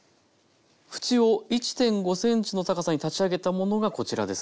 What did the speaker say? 縁を１．５ｃｍの高さに立ち上げたものがこちらです。